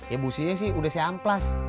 ya busunya sih udah saya amplas